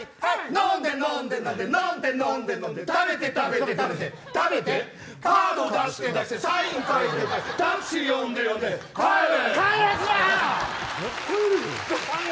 飲んで飲んで飲んで食べて食べて食べてカード出して出してサイン書いて書いてタクシー呼んで呼んで、帰れ。